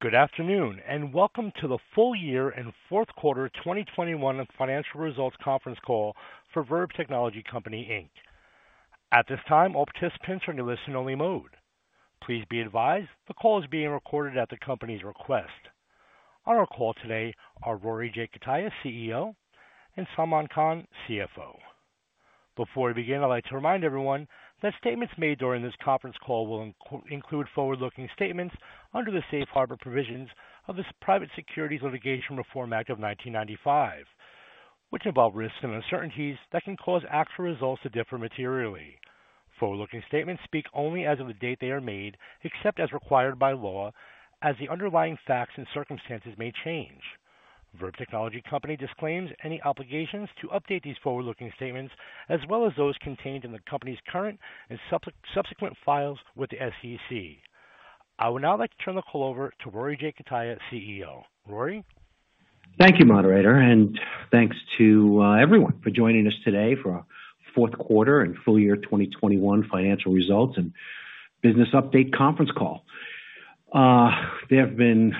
Good afternoon, and welcome to the full- year and fourth quarter 2021 financial results conference call for Verb Technology Company Inc. At this time, all participants are in a listen-only mode. Please be advised the call is being recorded at the company's request. On our call today are Rory J. Cutaia, CEO, and Salman Khan, CFO. Before we begin, I'd like to remind everyone that statements made during this conference call will include forward-looking statements under the Safe Harbor provisions of the Private Securities Litigation Reform Act of 1995, which involve risks and uncertainties that can cause actual results to differ materially. Forward-looking statements speak only as of the date they are made, except as required by law, as the underlying facts and circumstances may change. Verb Technology Company disclaims any obligations to update these forward-looking statements as well as those contained in the company's current and subsequent files with the SEC. I would now like to turn the call over to Rory J. Cutaia, CEO. Rory? Thank you, moderator, and thanks to everyone for joining us today for our fourth quarter and full -year 2021 financial results and business update conference call. There have been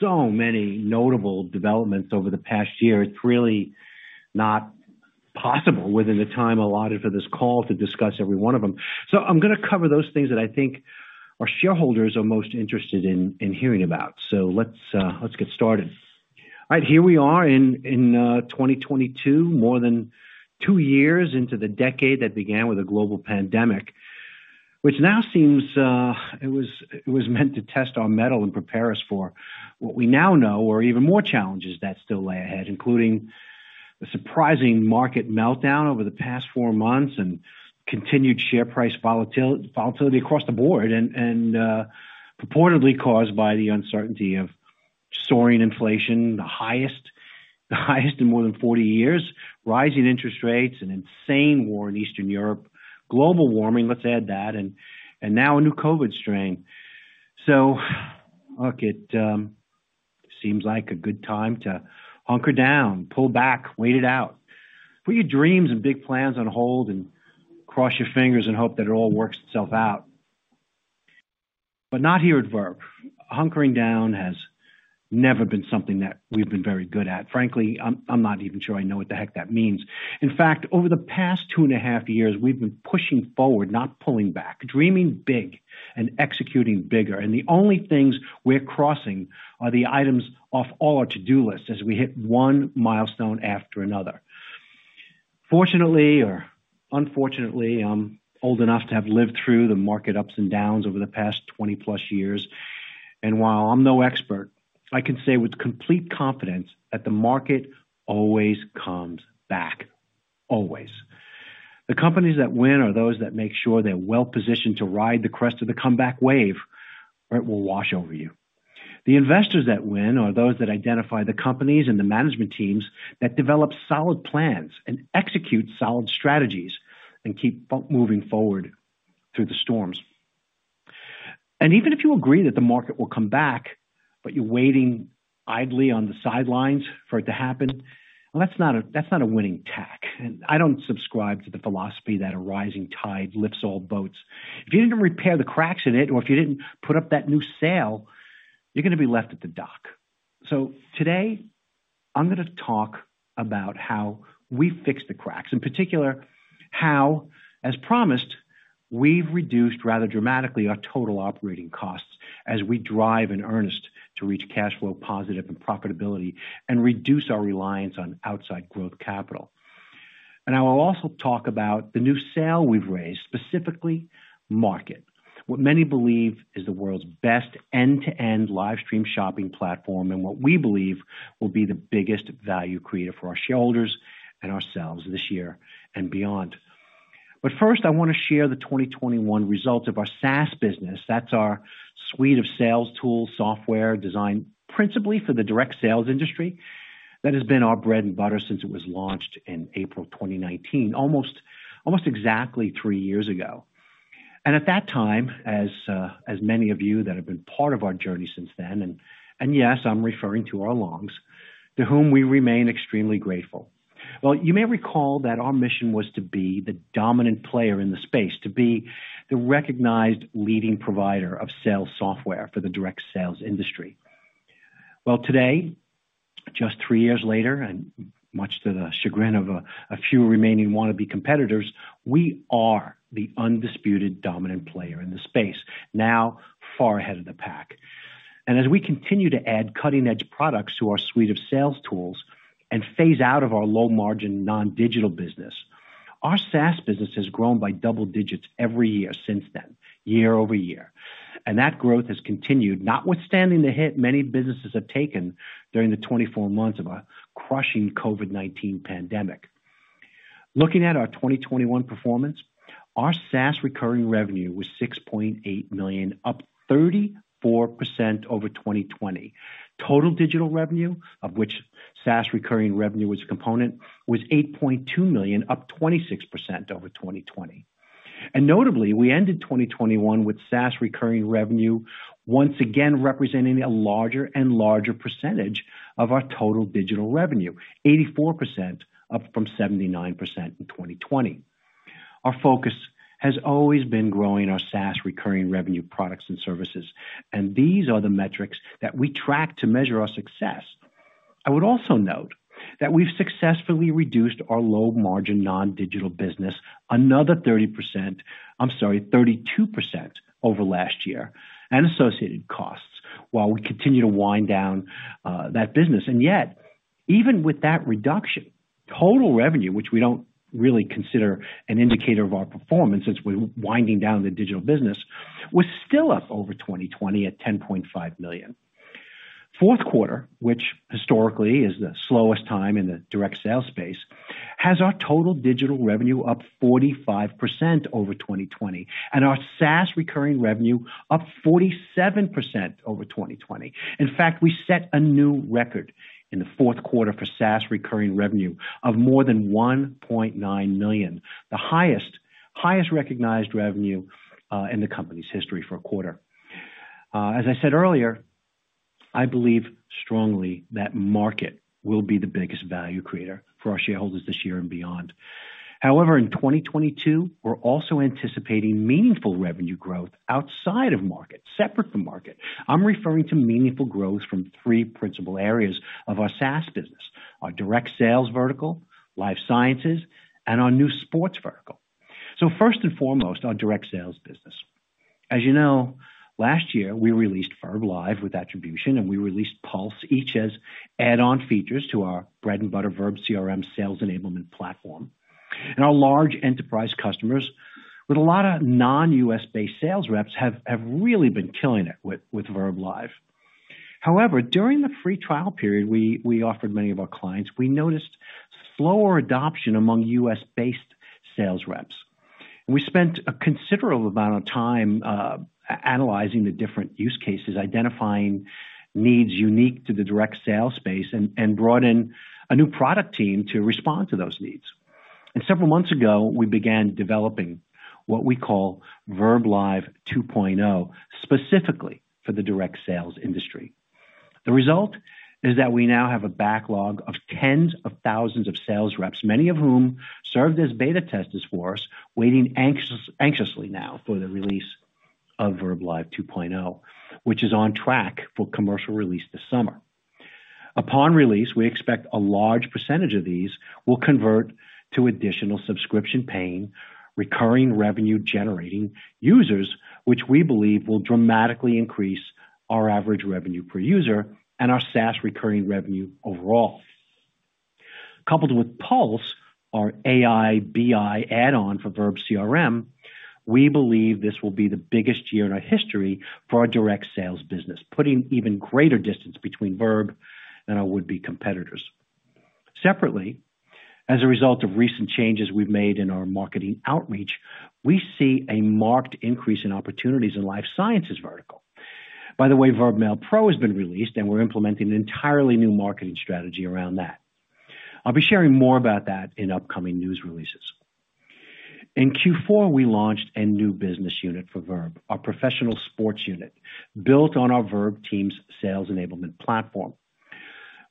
so many notable developments over the past year. It's really not possible within the time allotted for this call to discuss every one of them. I'm gonna cover those things that I think our shareholders are most interested in hearing about. Let's get started. All right, here we are in 2022, more than two years into the decade that began with a global pandemic, which now seems it was meant to test our mettle and prepare us for what we now know are even more challenges that still lie ahead, including the surprising market meltdown over the past four months and continued share price volatility across the board and purportedly caused by the uncertainty of soaring inflation, the highest in more than 40 years, rising interest rates, an insane war in Eastern Europe, global warming, let's add that, and now a new COVID strain. Look, it seems like a good time to hunker down, pull back, wait it out. Put your dreams and big plans on hold and cross your fingers and hope that it all works itself out. Not here at Verb. Hunkering down has never been something that we've been very good at. Frankly, I'm not even sure I know what the heck that means. In fact, over the past two and half years, we've been pushing forward, not pulling back, dreaming big and executing bigger. The only things we're crossing are the items off all our to-do lists as we hit one milestone after another. Fortunately or unfortunately, I'm old enough to have lived through the market ups and downs over the past 20+ years. While I'm no expert, I can say with complete confidence that the market always comes back. Always. The companies that win are those that make sure they're well-positioned to ride the crest of the comeback wave, or it will wash over you. The investors that win are those that identify the companies and the management teams that develop solid plans and execute solid strategies and keep moving forward through the storms. Even if you agree that the market will come back, but you're waiting idly on the sidelines for it to happen, well, that's not a winning tack. I don't subscribe to the philosophy that a rising tide lifts all boats. If you didn't repair the cracks in it or if you didn't put up that new sail, you're gonna be left at the dock. Today, I'm gonna talk about how we fix the cracks, in particular, how, as promised, we've reduced rather dramatically our total operating costs as we drive in earnest to reach cash flow positive and profitability and reduce our reliance on outside growth capital. I will also talk about the new sale we've raised, specifically MARKET.live, what many believe is the world's best end-to-end live stream shopping platform, and what we believe will be the biggest value creator for our shareholders and ourselves this year and beyond. First, I wanna share the 2021 results of our SaaS business. That's our suite of sales tools software designed principally for the direct sales industry that has been our bread and butter since it was launched in April 2019, almost exactly three years ago. At that time, as many of you that have been part of our journey since then, and yes, I'm referring to our longs, to whom we remain extremely grateful. Well, you may recall that our mission was to be the dominant player in the space, to be the recognized leading provider of sales software for the direct sales industry. Well, today, just three years later, and much to the chagrin of a few remaining wanna be competitors, we are the undisputed dominant player in the space, now far ahead of the pack. As we continue to add cutting-edge products to our suite of sales tools and phase out of our low-margin, non-digital business, our SaaS business has grown by double digits every year since then, year-over-year. That growth has continued notwithstanding the hit many businesses have taken during the 24 months of a crushing COVID-19 pandemic. Looking at our 2021 performance, our SaaS recurring revenue was $6.8 million, up 34% over 2020. Total digital revenue, of which SaaS recurring revenue was a component, was $8.2 million, up 26% over 2020. Notably, we ended 2021 with SaaS recurring revenue once again representing a larger and larger percentage of our total digital revenue. 84%, up from 79% in 2020. Our focus has always been growing our SaaS recurring revenue products and services, and these are the metrics that we track to measure our success. I would also note that we've successfully reduced our low margin non-digital business another 30%. I'm sorry, 32% over last year and associated costs while we continue to wind down, that business. Yet, even with that reduction, total revenue, which we don't really consider an indicator of our performance since we're winding down the digital business, was still up over 2020 at $10.5 million. Fourth quarter, which historically is the slowest time in the direct sales space, has our total digital revenue up 45% over 2020 and our SaaS recurring revenue up 47% over 2020. In fact, we set a new record in the fourth quarter for SaaS recurring revenue of more than $1.9 million, the highest recognized revenue in the company's history for a quarter. As I said earlier, I believe strongly that MARKET.live will be the biggest value creator for our shareholders this year and beyond. However, in 2022, we're also anticipating meaningful revenue growth outside of MARKET.live, separate from MARKET.live. I'm referring to meaningful growth from three principal areas of our SaaS business. Our direct sales vertical, life sciences, and our new sports vertical. First and foremost, our direct sales business. As you know, last year we released verbLIVE with Attribution, and we released Pulse, each as add-on features to our bread-and-butter verbCRM sales enablement platform. Our large enterprise customers with a lot of non-U.S.-based sales reps have really been killing it with verbLIVE. However, during the free trial period we offered many of our clients, we noticed slower adoption among U.S.-based sales reps. We spent a considerable amount of time analyzing the different use cases, identifying needs unique to the direct sale space, and brought in a new product team to respond to those needs. Several months ago, we began developing what we call verbLIVE 2.0, specifically for the direct sales industry. The result is that we now have a backlog of tens of thousands of sales reps, many of whom served as beta testers for us, waiting anxiously now for the release of verbLIVE 2.0, which is on track for commercial release this summer. Upon release, we expect a large percentage of these will convert to additional subscription paying, recurring revenue generating users, which we believe will dramatically increase our average revenue per user and our SaaS recurring revenue overall. Coupled with Pulse, our AI/BI add-on for verbCRM, we believe this will be the biggest year in our history for our direct sales business, putting even greater distance between Verb and our would-be competitors. Separately, as a result of recent changes we've made in our marketing outreach, we see a marked increase in opportunities in life sciences vertical. By the way, verbMAIL Pro has been released, and we're implementing an entirely new marketing strategy around that. I'll be sharing more about that in upcoming news releases. In Q4, we launched a new business unit for Verb, our professional sports unit, built on our verbTEAMS sales enablement platform.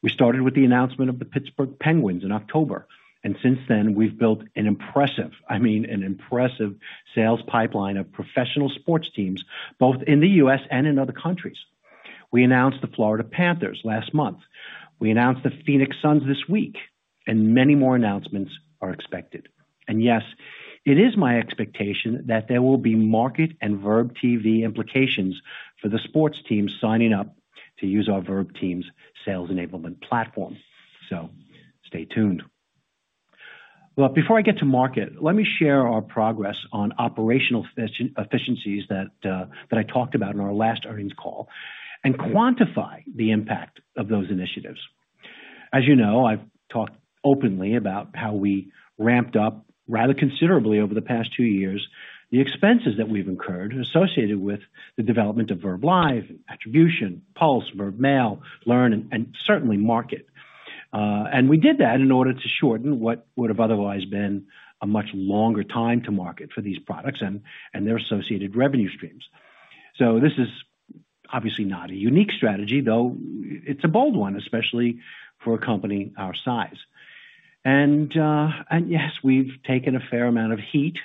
We started with the announcement of the Pittsburgh Penguins in October, and since then, we've built, I mean, an impressive sales pipeline of professional sports teams, both in the U.S. and in other countries. We announced the Florida Panthers last month. We announced the Phoenix Suns this week, and many more announcements are expected. Yes, it is my expectation that there will be MARKET.live and verbTV implications for the sports teams signing up to use our verbTEAMS sales enablement platform. Stay tuned. Well, before I get to MARKET.live, let me share our progress on operational efficiencies that I talked about in our last earnings call and quantify the impact of those initiatives. As you know, I've talked openly about how we ramped up rather considerably over the past two years, the expenses that we've incurred and associated with the development of verbLIVE, Attribution, Pulse, verbMAIL, verbLEARN, and certainly MARKET.live. We did that in order to shorten what would have otherwise been a much longer time to market for these products and their associated revenue streams. This is obviously not a unique strategy, though it's a bold one, especially for a company our size. Yes, we've taken a fair amount of heat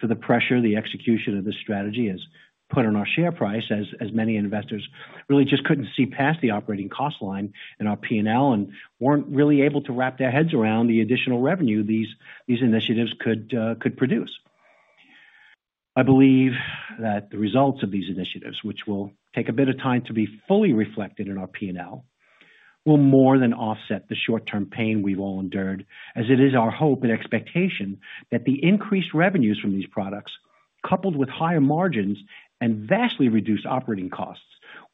for the pressure the execution of this strategy has put on our share price as many investors really just couldn't see past the operating cost line in our P&L and weren't really able to wrap their heads around the additional revenue these initiatives could produce. I believe that the results of these initiatives, which will take a bit of time to be fully reflected in our P&L, will more than offset the short-term pain we've all endured, as it is our hope and expectation that the increased revenues from these products, coupled with higher margins and vastly reduced operating costs,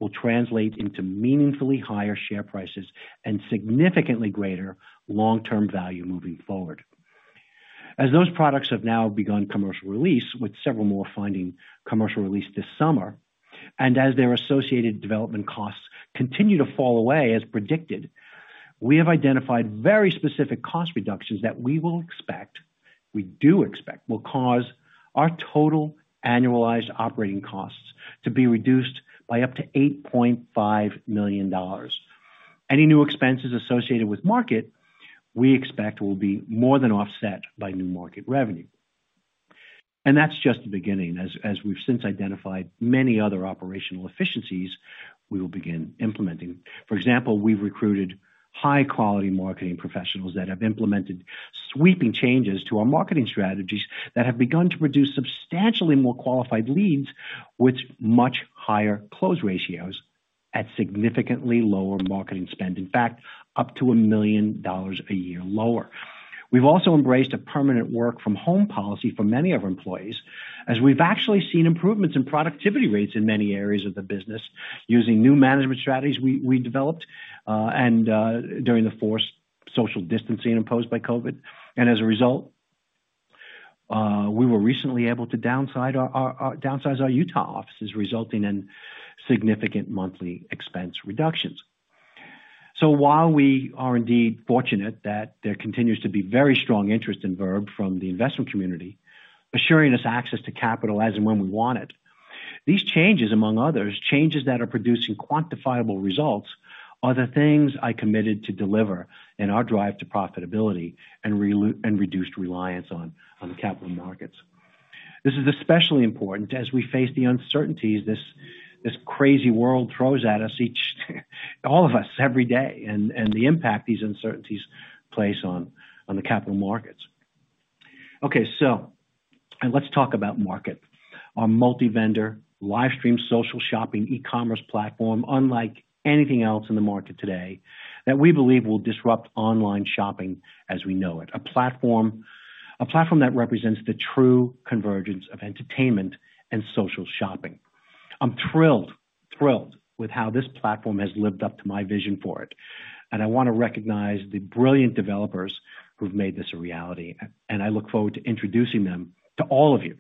will translate into meaningfully higher share prices and significantly greater long-term value moving forward. As those products have now begun commercial release, with several more finding commercial release this summer, and as their associated development costs continue to fall away as predicted, we have identified very specific cost reductions that we expect will cause our total annualized operating costs to be reduced by up to $8.5 million. Any new expenses associated with MARKET.live, we expect will be more than offset by new MARKET.live revenue. That's just the beginning. As we've since identified many other operational efficiencies we will begin implementing. For example, we've recruited high quality marketing professionals that have implemented sweeping changes to our marketing strategies that have begun to produce substantially more qualified leads with much higher close ratios at significantly lower marketing spend, in fact, up to $1 million a year lower. We've also embraced a permanent work from home policy for many of our employees as we've actually seen improvements in productivity rates in many areas of the business using new management strategies we developed and during the forced social distancing imposed by COVID. As a result, we were recently able to downsize our Utah offices, resulting in significant monthly expense reductions. While we are indeed fortunate that there continues to be very strong interest in Verb from the investment community, assuring us access to capital as and when we want it, these changes, among others, changes that are producing quantifiable results, are the things I committed to deliver in our drive to profitability and reduced reliance on capital markets. This is especially important as we face the uncertainties this crazy world throws at us each of us every day, and the impact these uncertainties place on the capital markets. Okay, let's talk about MARKET.live. Our multi-vendor live stream social shopping e-commerce platform, unlike anything else in the market today that we believe will disrupt online shopping as we know it. A platform that represents the true convergence of entertainment and social shopping. I'm thrilled with how this platform has lived up to my vision for it, and I wanna recognize the brilliant developers who've made this a reality, and I look forward to introducing them to all of you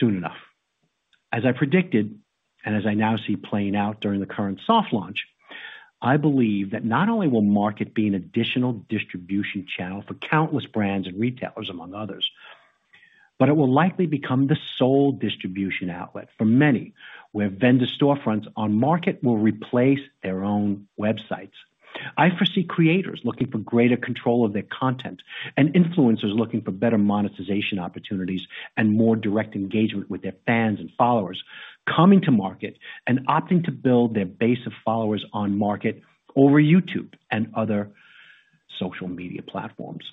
soon enough. As I predicted, and as I now see playing out during the current soft launch, I believe that not only will Market be an additional distribution channel for countless brands and retailers, among others, but it will likely become the sole distribution outlet for many, where vendor storefronts on Market will replace their own websites. I foresee creators looking for greater control of their content, and influencers looking for better monetization opportunities and more direct engagement with their fans and followers coming to Market and opting to build their base of followers on Market over YouTube and other social media platforms.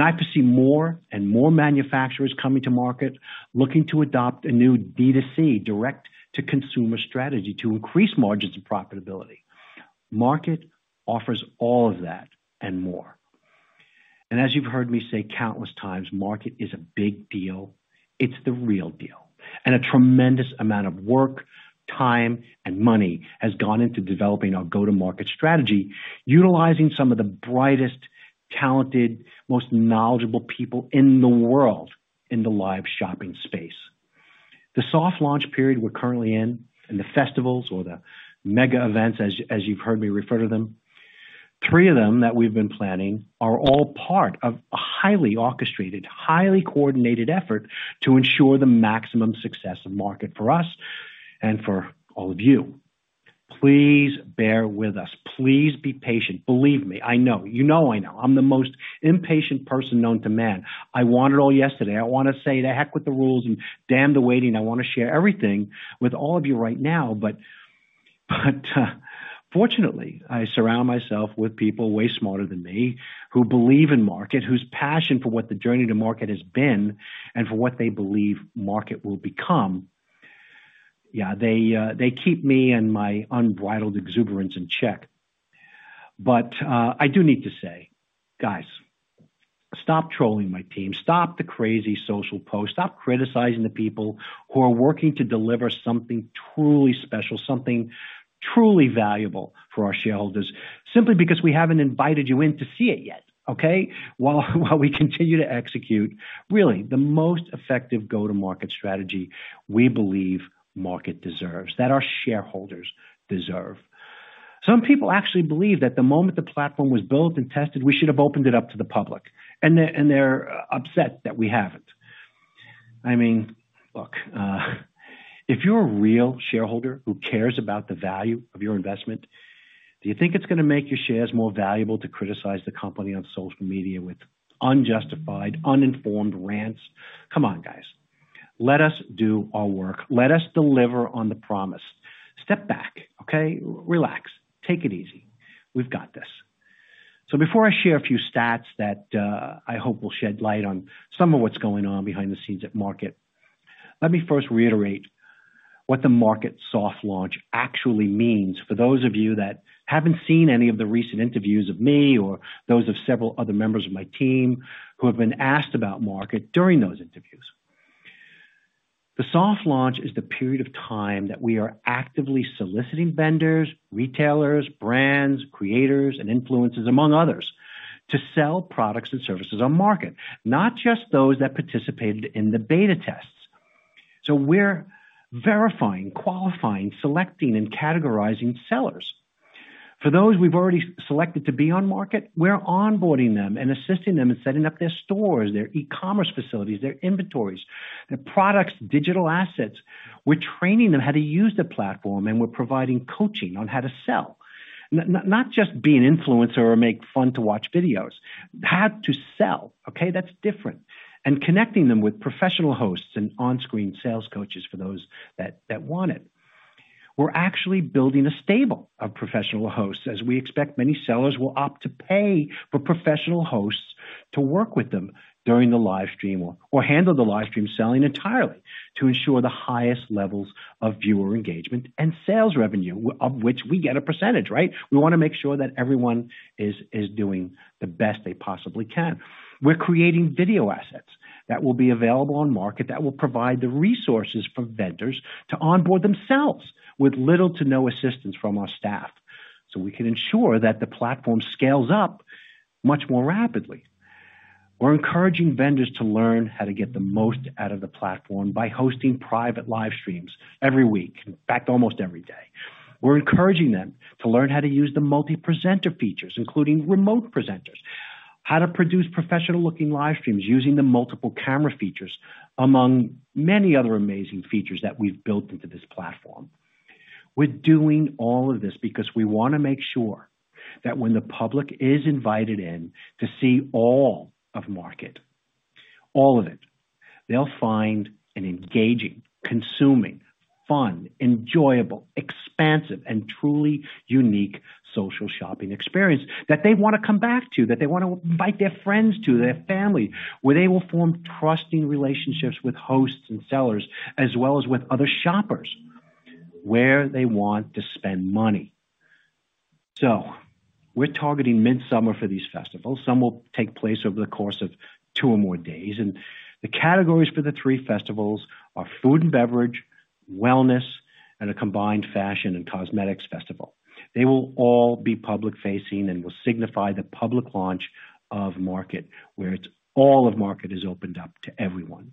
I foresee more and more manufacturers coming to Market looking to adopt a new D2C direct to consumer strategy to increase margins and profitability. Market offers all of that and more. As you've heard me say countless times, Market is a big deal. It's the real deal. A tremendous amount of work, time, and money has gone into developing our go-to-market strategy, utilizing some of the brightest, talented, most knowledgeable people in the world in the live shopping space. The soft launch period we're currently in, and the festivals or the mega events, as you've heard me refer to them, three of them that we've been planning are all part of a highly orchestrated, highly coordinated effort to ensure the maximum success of market for us and for all of you. Please bear with us. Please be patient. Believe me, I know. You know I know. I'm the most impatient person known to man. I want it all yesterday. I wanna say, the heck with the rules and damn the waiting. I wanna share everything with all of you right now. Fortunately, I surround myself with people way smarter than me who believe in MARKET.live, whose passion for what the journey to MARKET.live has been and for what they believe MARKET.live will become. Yeah, they keep me and my unbridled exuberance in check. I do need to say, guys, stop trolling my team. Stop the crazy social posts. Stop criticizing the people who are working to deliver something truly special, something truly valuable for our shareholders, simply because we haven't invited you in to see it yet, okay? While we continue to execute really the most effective go-to-market strategy we believe MARKET.live deserves, that our shareholders deserve. Some people actually believe that the moment the platform was built and tested, we should have opened it up to the public, and they're upset that we haven't. I mean, look, if you're a real shareholder who cares about the value of your investment, do you think it's gonna make your shares more valuable to criticize the company on social media with unjustified, uninformed rants? Come on, guys. Let us do our work. Let us deliver on the promise. Step back, okay? Relax. Take it easy. We've got this. Before I share a few stats that, I hope will shed light on some of what's going on behind the scenes at market, let me first reiterate what the market soft launch actually means for those of you that haven't seen any of the recent interviews of me or those of several other members of my team who have been asked about market during those interviews. The soft launch is the period of time that we are actively soliciting vendors, retailers, brands, creators, and influencers, among others, to sell products and services on market, not just those that participated in the beta tests. We're verifying, qualifying, selecting, and categorizing sellers. For those we've already selected to be on market, we're onboarding them and assisting them in setting up their stores, their e-commerce facilities, their inventories, the products, digital assets. We're training them how to use the platform, and we're providing coaching on how to sell. Not just be an influencer or make fun to watch videos. How to sell, okay? That's different. Connecting them with professional hosts and on-screen sales coaches for those that want it. We're actually building a stable of professional hosts as we expect many sellers will opt to pay for professional hosts to work with them during the live stream or handle the live stream selling entirely to ensure the highest levels of viewer engagement and sales revenue, of which we get a percentage, right? We wanna make sure that everyone is doing the best they possibly can. We're creating video assets that will be available on market that will provide the resources for vendors to onboard themselves with little to no assistance from our staff, so we can ensure that the platform scales up much more rapidly. We're encouraging vendors to learn how to get the most out of the platform by hosting private live streams every week. In fact, almost every day. We're encouraging them to learn how to use the multi-presenter features, including remote presenters. How to produce professional-looking live streams using the multiple camera features, among many other amazing features that we've built into this platform. We're doing all of this because we wanna make sure that when the public is invited in to see all of MARKET, all of it, they'll find an engaging, consuming, fun, enjoyable, expansive, and truly unique social shopping experience that they wanna come back to, that they wanna invite their friends to, their family, where they will form trusting relationships with hosts and sellers, as well as with other shoppers where they want to spend money. We're targeting mid-summer for these festivals. Some will take place over the course of two or more days. The categories for the three festivals are food and beverage, wellness, and a combined fashion and cosmetics festival. They will all be public-facing and will signify the public launch of MARKET.live, where it's all of MARKET.live is opened up to everyone.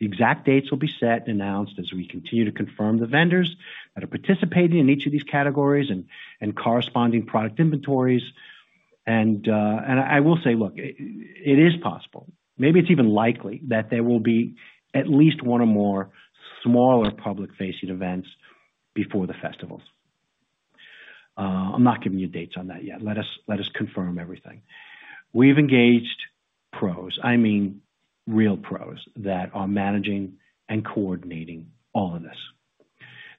The exact dates will be set and announced as we continue to confirm the vendors that are participating in each of these categories and corresponding product inventories. I will say, look, it is possible, maybe it's even likely that there will be at least one or more smaller public-facing events before the festivals. I'm not giving you dates on that yet. Let us confirm everything. We've engaged pros, I mean, real pros that are managing and coordinating all of this.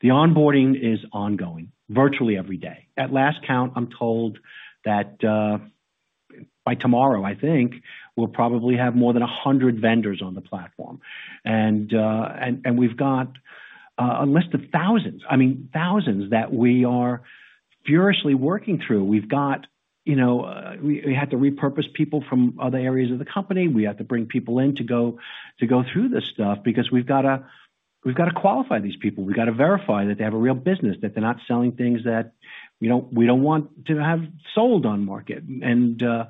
The onboarding is ongoing virtually every day. At last count, I'm told that by tomorrow, I think, we'll probably have more than 100 vendors on the platform. We've got a list of thousands, I mean, thousands that we are furiously working through. You know, we had to repurpose people from other areas of the company. We had to bring people in to go through this stuff because we've gotta qualify these people. We've gotta verify that they have a real business, that they're not selling things that we don't want to have sold on market. While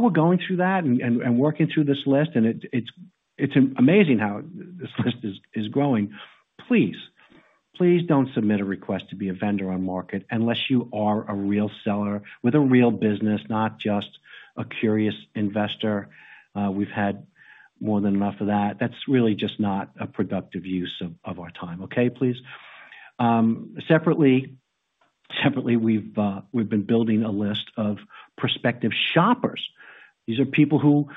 we're going through that and working through this list, it's amazing how this list is growing. Please don't submit a request to be a vendor on market unless you are a real seller with a real business, not just a curious investor. We've had more than enough of that. That's really just not a productive use of our time, okay? Please. Separately, we've been building a list of prospective shoppers. These are people who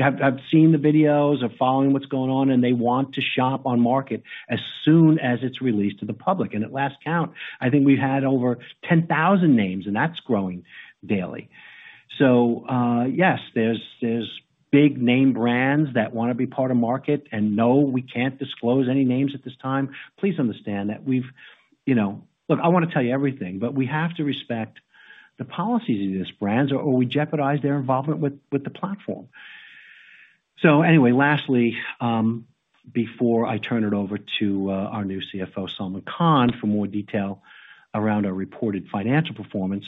have seen the videos or following what's going on, and they want to shop on market as soon as it's released to the public. At last count, I think we've had over 10,000 names, and that's growing daily. Yes, there's big name brands that wanna be part of market, and no, we can't disclose any names at this time. Please understand that we've you know. Look, I wanna tell you everything, but we have to respect the policies of these brands or we jeopardize their involvement with the platform. Anyway, lastly, before I turn it over to our new CFO, Salman Khan, for more detail around our reported financial performance,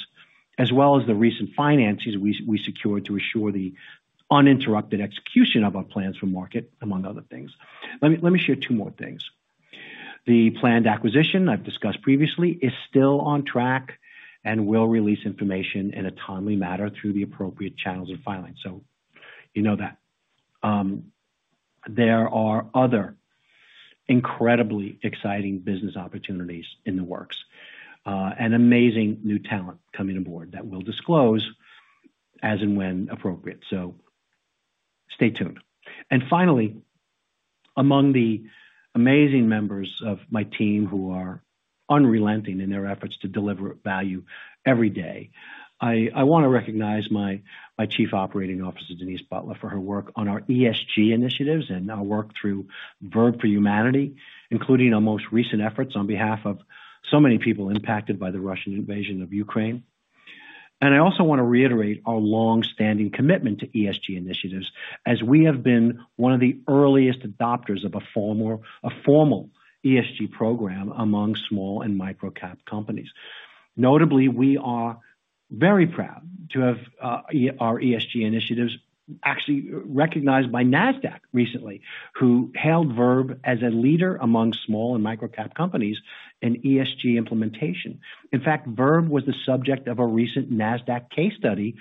as well as the recent financing we secured to assure the uninterrupted execution of our plans for market, among other things. Let me share two more things. The planned acquisition I've discussed previously is still on track and will release information in a timely manner through the appropriate channels of filing. You know that. There are other incredibly exciting business opportunities in the works, and amazing new talent coming aboard that we'll disclose as and when appropriate. Stay tuned. Finally, among the amazing members of my team who are unrelenting in their efforts to deliver value every day, I wanna recognize my Chief Operating Officer, Denise Butler, for her work on our ESG initiatives and our work through Verb for Humanity, including our most recent efforts on behalf of so many people impacted by the Russian invasion of Ukraine. I also wanna reiterate our long-standing commitment to ESG initiatives as we have been one of the earliest adopters of a formal ESG program among small and micro-cap companies. Notably, we are very proud to have our ESG initiatives actually recognized by Nasdaq recently, who hailed Verb as a leader among small and micro-cap companies in ESG implementation. In fact, Verb was the subject of a recent Nasdaq case study.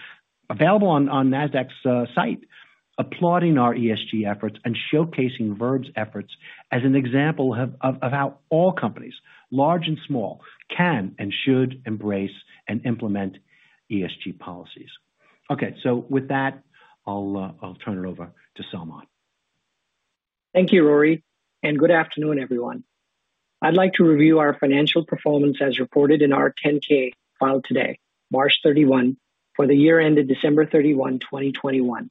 Available on Nasdaq's site, applauding our ESG efforts and showcasing Verb's efforts as an example of how all companies, large and small, can and should embrace and implement ESG policies. Okay. With that, I'll turn it over to Salman. Thank you, Rory, and good afternoon, everyone. I'd like to review our financial performance as reported in our 10-K filed today, March 31, for the year ended December 31, 2021.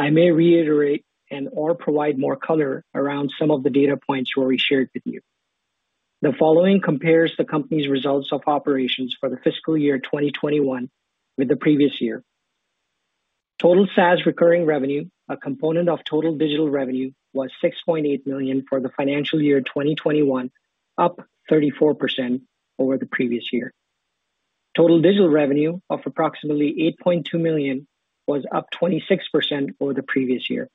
I may reiterate and/or provide more color around some of the data points Rory shared with you. The following compares the company's results of operations for the fiscal year 2021 with the previous year. Total SaaS recurring revenue, a component of total digital revenue, was $6.8 million for the financial year 2021, up 34% over the previous year. Total digital revenue of approximately $8.2 million was up 26% over the previous year.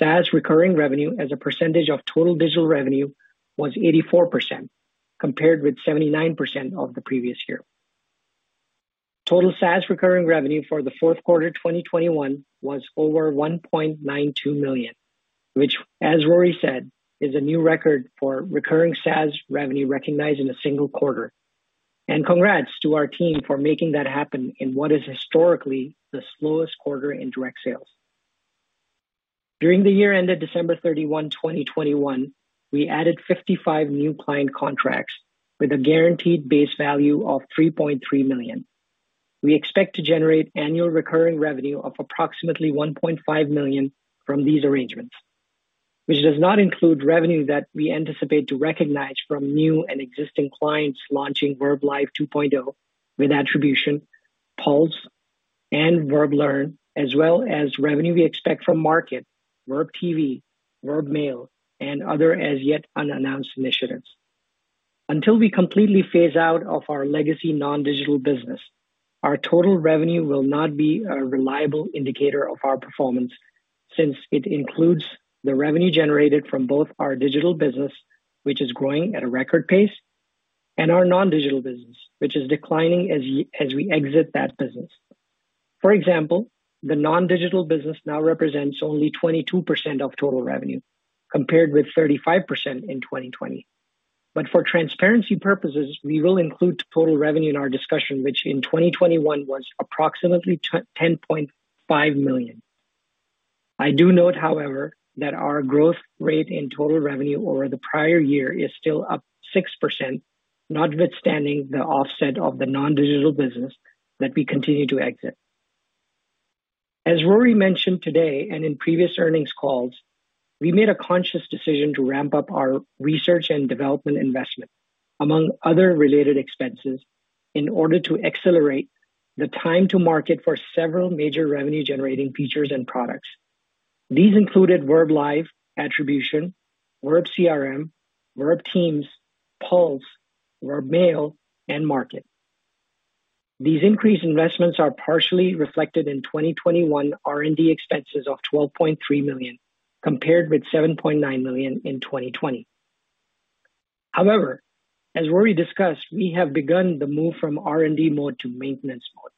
SaaS recurring revenue as a percentage of total digital revenue was 84%, compared with 79% of the previous year. Total SaaS recurring revenue for the fourth quarter 2021 was over $1.92 million, which as Rory said, is a new record for recurring SaaS revenue recognized in a single quarter. Congrats to our team for making that happen in what is historically the slowest quarter in direct sales. During the year ended December 31, 2021, we added 55 new client contracts with a guaranteed base value of $3.3 million. We expect to generate annual recurring revenue of approximately $1.5 million from these arrangements, which does not include revenue that we anticipate to recognize from new and existing clients launching verbLIVE 2.0 with Attribution, Pulse, and verbLEARN, as well as revenue we expect from MARKET.live, verbTV, verbMAIL, and other as yet unannounced initiatives. Until we completely phase out of our legacy non-digital business, our total revenue will not be a reliable indicator of our performance since it includes the revenue generated from both our digital business, which is growing at a record pace, and our non-digital business, which is declining as we exit that business. For example, the non-digital business now represents only 22% of total revenue, compared with 35% in 2020. For transparency purposes, we will include total revenue in our discussion, which in 2021 was approximately $10.5 million. I do note, however, that our growth rate in total revenue over the prior year is still up 6%, notwithstanding the offset of the non-digital business that we continue to exit. As Rory mentioned today and in previous earnings calls, we made a conscious decision to ramp up our research and development investment, among other related expenses, in order to accelerate the time to market for several major revenue-generating features and products. These included verbLIVE Attribution, verbCRM, verbTEAMS, Pulse, verbMAIL, and MARKET.live. These increased investments are partially reflected in 2021 R&D expenses of $12.3 million, compared with $7.9 million in 2020. However, as Rory discussed, we have begun the move from R&D mode to maintenance mode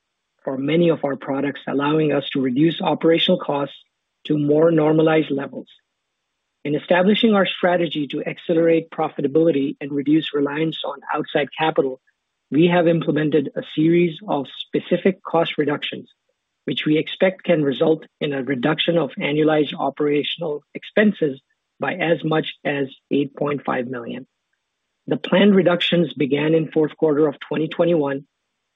for many of our products, allowing us to reduce operational costs to more normalized levels. In establishing our strategy to accelerate profitability and reduce reliance on outside capital, we have implemented a series of specific cost reductions, which we expect can result in a reduction of annualized operational expenses by as much as $8.5 million. The planned reductions began in fourth quarter of 2021,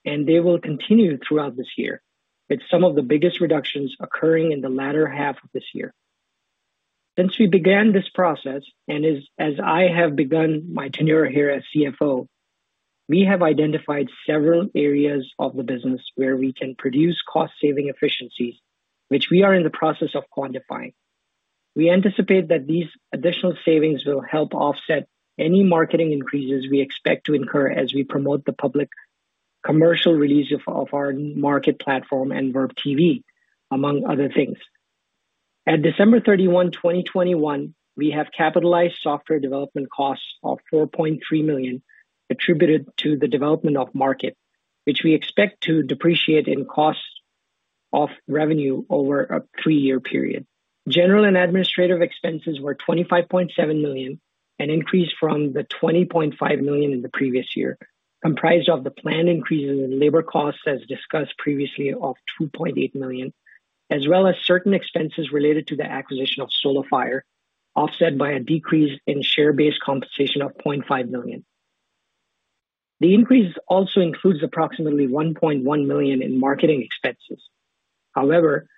and they will continue throughout this year, with some of the biggest reductions occurring in the latter half of this year. Since we began this process, and as I have begun my tenure here as CFO, we have identified several areas of the business where we can produce cost-saving efficiencies, which we are in the process of quantifying. We anticipate that these additional savings will help offset any marketing increases we expect to incur as we promote the public commercial release of our MARKET.live and verbTV, among other things. At December 31, 2021, we have capitalized software development costs of $4.3 million attributed to the development of MARKET.live, which we expect to depreciate in costs of revenue over a three-year period. General and administrative expenses were $25.7 million, an increase from the $20.5 million in the previous year, comprised of the planned increases in labor costs, as discussed previously, of $2.8 million, as well as certain expenses related to the acquisition of SoloFire, offset by a decrease in share-based compensation of $0.5 million. The increase also includes approximately $1.1 million in marketing expenses. However,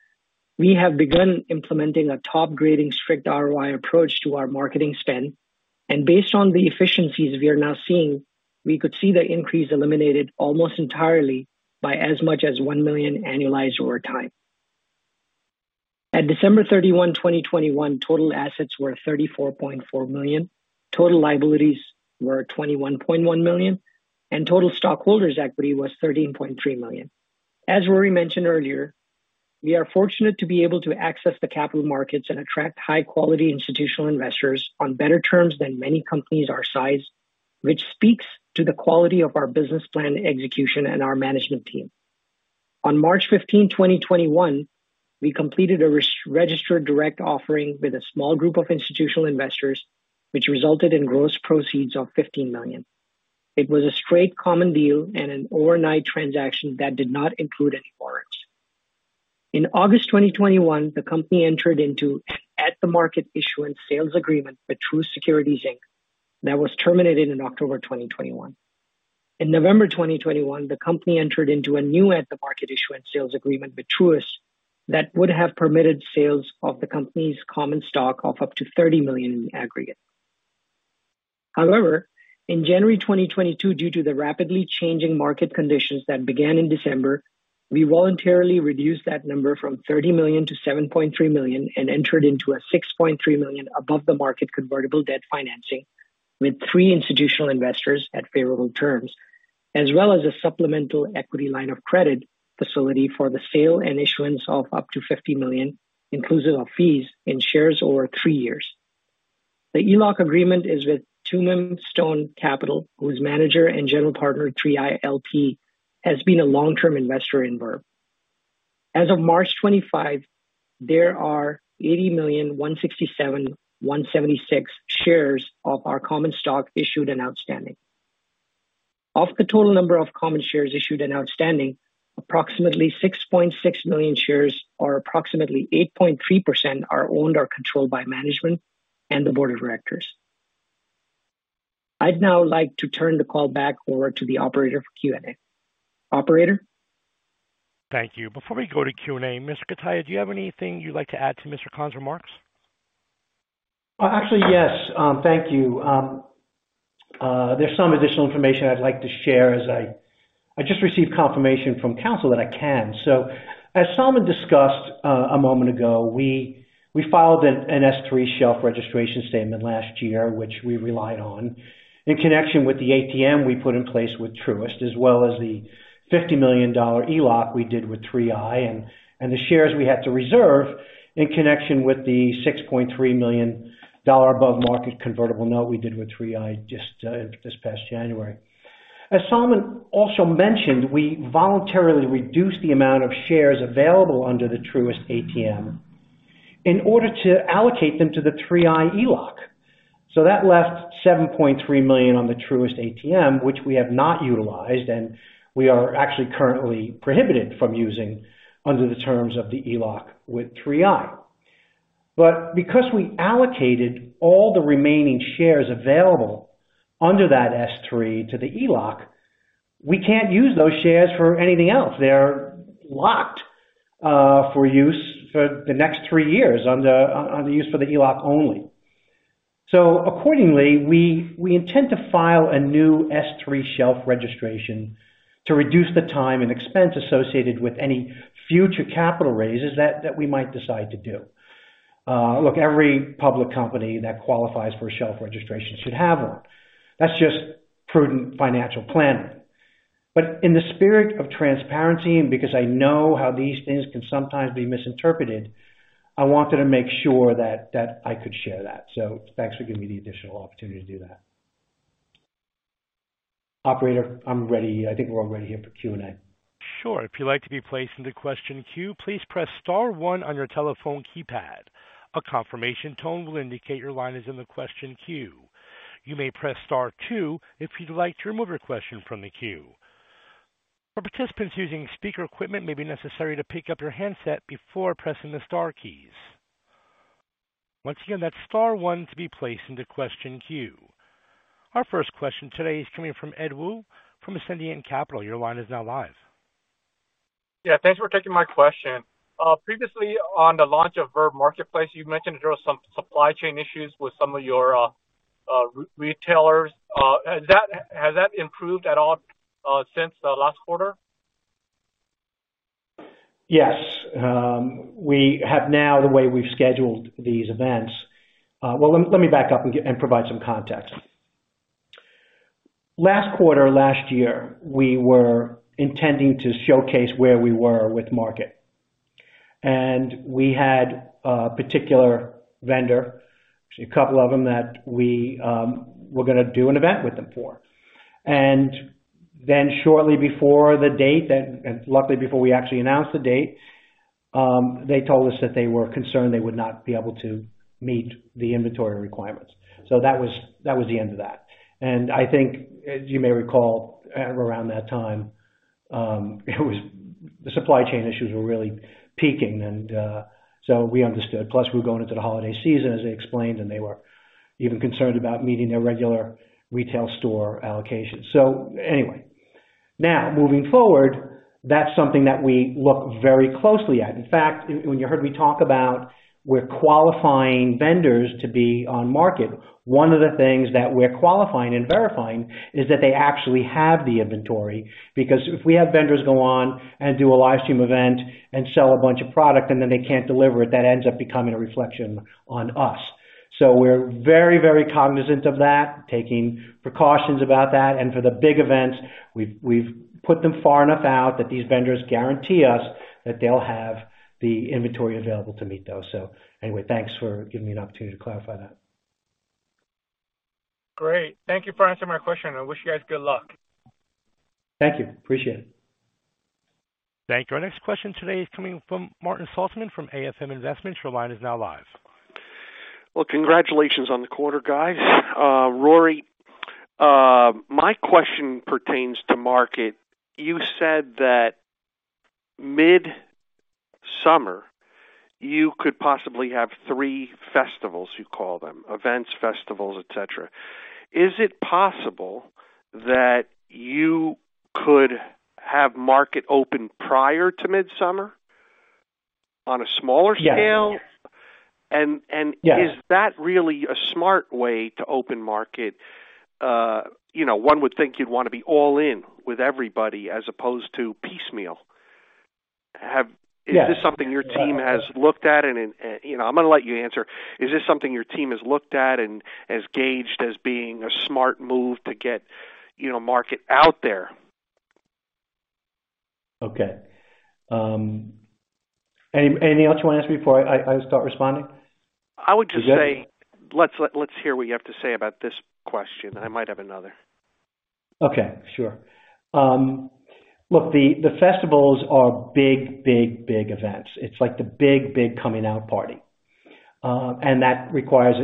we have begun implementing a top-grading strict ROI approach to our marketing spend, and based on the efficiencies we are now seeing, we could see the increase eliminated almost entirely by as much as $1 million annualized over time. At December 31, 2021, total assets were $34.4 million. Total liabilities were $21.1 million, and total stockholders' equity was $13.3 million. As Rory mentioned earlier, we are fortunate to be able to access the capital markets and attract high quality institutional investors on better terms than many companies our size, which speaks to the quality of our business plan execution and our management team. On March 15, 2021, we completed a registered direct offering with a small group of institutional investors, which resulted in gross proceeds of $15 million. It was a straight common deal and an overnight transaction that did not include any warrants. In August 2021, the company entered into an at the market issuance sales agreement with Truist Securities Inc. That was terminated in October 2021. In November 2021, the company entered into a new at-the-market issuance sales agreement with Truist that would have permitted sales of the company's common stock of up to $30 million in aggregate. However, in January 2022, due to the rapidly changing market conditions that began in December, we voluntarily reduced that number from $30 million to $7.3 million and entered into a $6.3 million above the market convertible debt financing with three institutional investors at favorable terms, as well as a supplemental equity line of credit facility for the sale and issuance of up to 50 million, inclusive of fees in shares over three years. The ELOC agreement is with Tumim Stone Capital, whose manager and general partner, 3i LP, has been a long-term investor in Verb. As of March 25, there are 80,167,176 shares of our common stock issued and outstanding. Of the total number of common shares issued and outstanding, approximately 6.6 million shares, approximately 8.3%, are owned or controlled by management and the board of directors. I'd now like to turn the call back over to the operator for Q&A. Operator. Thank you. Before we go to Q&A, Mr. Cutaia, do you have anything you'd like to add to Mr. Khan's remarks? Actually, yes. Thank you. There's some additional information I'd like to share as I just received confirmation from counsel that I can. As Salman discussed a moment ago, we filed an S-3 shelf registration statement last year, which we relied on in connection with the ATM we put in place with Truist, as well as the $50 million ELOC we did with 3i and the shares we had to reserve in connection with the $6.3 million above market convertible note we did with 3i just this past January. As Salman also mentioned, we voluntarily reduced the amount of shares available under the Truist ATM in order to allocate them to the 3i ELOC. That left $7.3 million on the Truist ATM, which we have not utilized, and we are actually currently prohibited from using under the terms of the ELOC with 3i. Because we allocated all the remaining shares available under that S-3 to the ELOC, we can't use those shares for anything else. They are locked for use for the next three years on the use for the ELOC only. Accordingly, we intend to file a new S-3 shelf registration to reduce the time and expense associated with any future capital raises that we might decide to do. Look, every public company that qualifies for a shelf registration should have one. That's just prudent financial planning. In the spirit of transparency, and because I know how these things can sometimes be misinterpreted, I wanted to make sure that I could share that. Thanks for giving me the additional opportunity to do that. Operator, I'm ready. I think we're all ready here for Q&A. Our first question today is coming from Ed Woo from Ascendiant Capital. Your line is now live. Yeah. Thanks for taking my question. Previously on the launch of Verb Marketplace, you've mentioned there were some supply chain issues with some of your retailers. Has that improved at all since the last quarter? Yes. We have now, the way we've scheduled these events. Well, let me back up and provide some context. Last quarter, last year, we were intending to showcase where we were with MARKET, and we had a particular vendor, actually a couple of them, that we were gonna do an event with them for. Then shortly before the date, and luckily before we actually announced the date, they told us that they were concerned they would not be able to meet the inventory requirements. That was the end of that. I think as you may recall, at around that time, the supply chain issues were really peaking. We understood. Plus, we were going into the holiday season, as I explained, and they were even concerned about meeting their regular retail store allocations. Anyway. Now moving forward, that's something that we look very closely at. In fact, when you heard me talk about we're qualifying vendors to be on market, one of the things that we're qualifying and verifying is that they actually have the inventory. Because if we have vendors go on and do a live stream event and sell a bunch of product, and then they can't deliver it, that ends up becoming a reflection on us. We're very, very cognizant of that, taking precautions about that. For the big events, we've put them far enough out that these vendors guarantee us that they'll have the inventory available to meet those. Anyway, thanks for giving me an opportunity to clarify that. Great. Thank you for answering my question, and I wish you guys good luck. Thank you. Appreciate it. Thank you. Our next question today is coming from Martin Saltzman from AFM Investments. Your line is now live. Well, congratulations on the quarter, guys. Rory, my question pertains to market. You said that midsummer, you could possibly have three festivals, you call them events, festivals, et cetera. Is it possible that you could have market open prior to midsummer on a smaller scale? Yes. And, and- Yes. Is that really a smart way to open market? You know, one would think you'd wanna be all in with everybody as opposed to piecemeal. Yes. Is this something your team has looked at? You know, I'm gonna let you answer. Is this something your team has looked at and has gauged as being a smart move to get, you know, market out there? Okay. Anything else you wanna ask me before I start responding? I would just say, let's hear what you have to say about this question. I might have another. Okay, sure. Look, the festivals are big events. It's like the big coming out party. That requires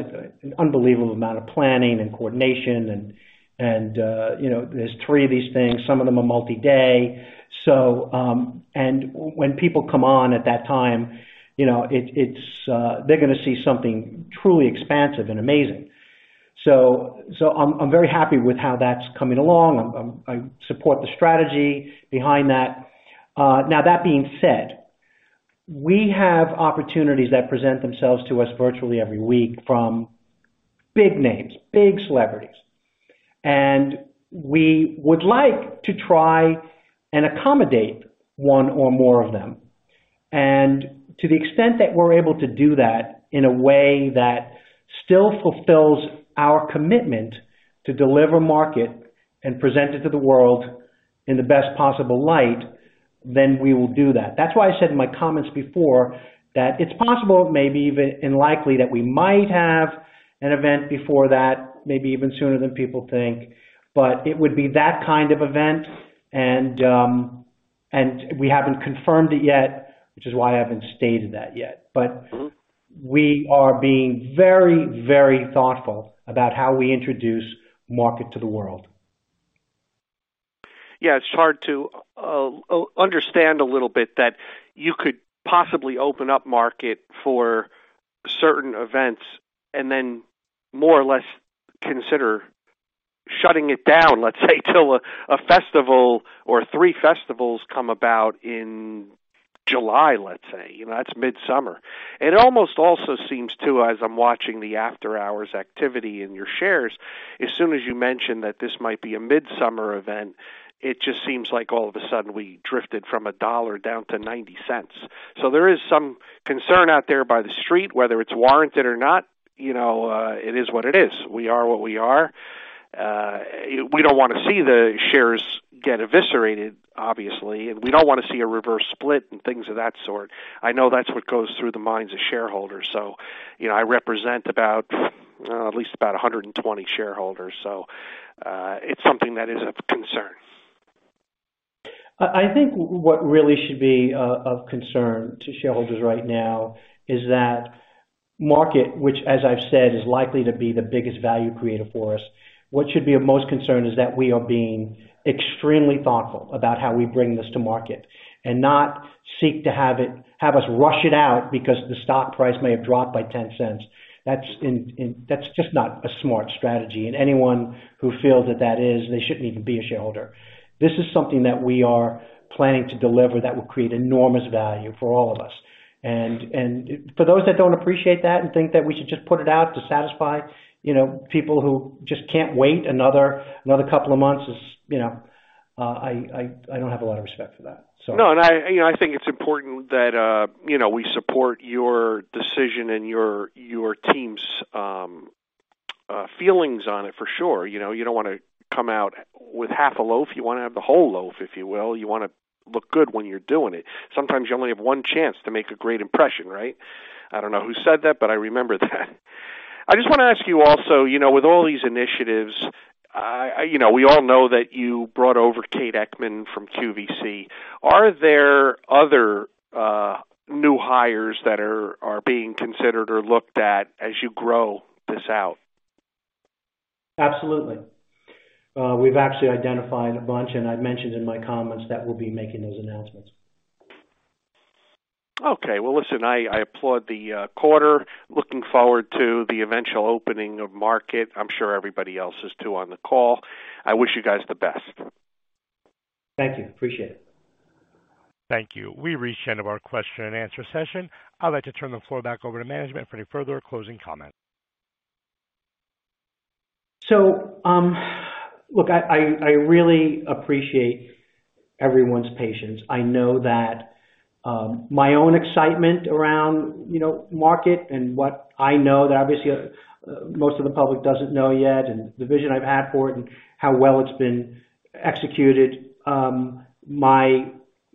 an unbelievable amount of planning and coordination, and you know, there's three of these things. Some of them are multi-day. When people come on at that time, you know, it's they're gonna see something truly expansive and amazing. I support the strategy behind that. Now that being said, we have opportunities that present themselves to us virtually every week from big names, big celebrities, and we would like to try and accommodate one or more of them. To the extent that we're able to do that in a way that still fulfills our commitment to deliver MARKET.live and present it to the world in the best possible light, then we will do that. That's why I said in my comments before that it's possible, maybe even unlikely, that we might have an event before that, maybe even sooner than people think. But it would be that kind of event, and we haven't confirmed it yet, which is why I haven't stated that yet. But we are being very, very thoughtful about how we introduce MARKET.live to the world. Yeah, it's hard to understand a little bit that you could possibly open up market for certain events and then more or less consider shutting it down, let's say, till a festival or three festivals come about in July, let's say. You know, that's midsummer. It almost also seems to, as I'm watching the after-hours activity in your shares, as soon as you mention that this might be a midsummer event, it just seems like all of a sudden we drifted from $1 down to $0.90. There is some concern out there by the street, whether it's warranted or not, you know, it is what it is. We are what we are. We don't wanna see the shares get eviscerated, obviously, and we don't wanna see a reverse split and things of that sort. I know that's what goes through the minds of shareholders. You know, I represent about at least about 120 shareholders, it's something that is of concern. I think what really should be of concern to shareholders right now is that market, which as I've said, is likely to be the biggest value creator for us. What should be of most concern is that we are being extremely thoughtful about how we bring this to market and not seek to have us rush it out because the stock price may have dropped by $0.10. That's just not a smart strategy. Anyone who feels that that is, they shouldn't even be a shareholder. This is something that we are planning to deliver that will create enormous value for all of us. For those that don't appreciate that and think that we should just put it out to satisfy, you know, people who just can't wait another couple of months, you know, I don't have a lot of respect for that. No, you know, I think it's important that, you know, we support your decision and your team's feelings on it for sure. You know, you don't wanna come out with half a loaf. You wanna have the whole loaf, if you will. You wanna look good when you're doing it. Sometimes you only have one chance to make a great impression, right? I don't know who said that, but I remember that. I just wanna ask you also, you know, with all these initiatives, you know, we all know that you brought over Kate Eckman from QVC. Are there other new hires that are being considered or looked at as you grow this out? Absolutely. We've actually identified a bunch, and I've mentioned in my comments that we'll be making those announcements. Okay. Well, listen, I applaud the quarter. Looking forward to the eventual opening of market. I'm sure everybody else is too on the call. I wish you guys the best. Thank you. Appreciate it. Thank you. We've reached the end of our question and answer session. I'd like to turn the floor back over to management for any further closing comments. Look, I really appreciate everyone's patience. I know that my own excitement around, you know, market and what I know that obviously most of the public doesn't know yet, and the vision I've had for it and how well it's been executed,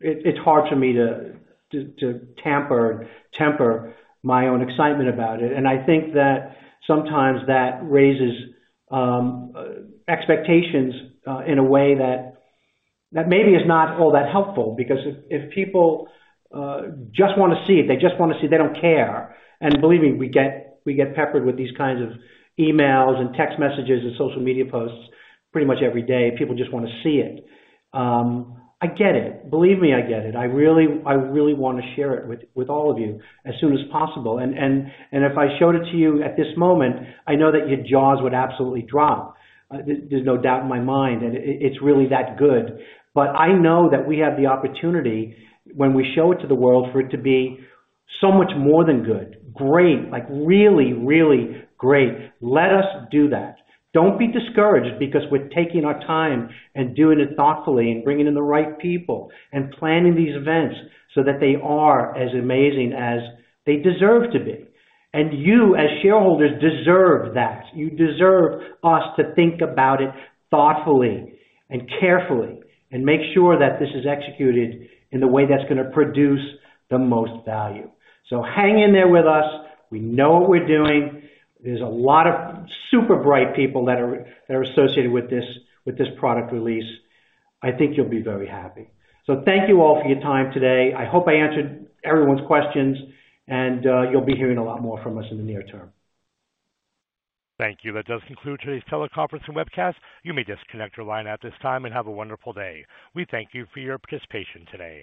it's hard for me to temper my own excitement about it. I think that sometimes that raises expectations in a way that maybe is not all that helpful because if people just wanna see it, they just wanna see, they don't care. Believe me, we get peppered with these kinds of emails and text messages and social media posts pretty much every day. People just wanna see it. I get it. Believe me, I get it. I really wanna share it with all of you as soon as possible. If I showed it to you at this moment, I know that your jaws would absolutely drop. There's no doubt in my mind, and it's really that good. I know that we have the opportunity when we show it to the world, for it to be so much more than good, great. Like, really great. Let us do that. Don't be discouraged because we're taking our time and doing it thoughtfully and bringing in the right people and planning these events so that they are as amazing as they deserve to be. You, as shareholders, deserve that. You deserve us to think about it thoughtfully and carefully and make sure that this is executed in the way that's gonna produce the most value. Hang in there with us. We know what we're doing. There's a lot of super bright people that are associated with this product release. I think you'll be very happy. Thank you all for your time today. I hope I answered everyone's questions, and you'll be hearing a lot more from us in the near term. Thank you. That does conclude today's teleconference and webcast. You may disconnect your line at this time and have a wonderful day. We thank you for your participation today.